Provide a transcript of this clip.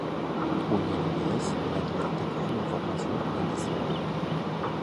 Uhinaren bidez hedatu daitekeen informazio indizea da.